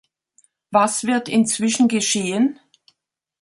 Was wird inzwischen geschehen?